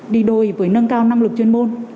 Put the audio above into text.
đi đôi với nâng cao năng lực chuyên môn